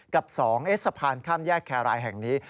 กับ๒สะพานข้ามแยกแครรายแห่งนี้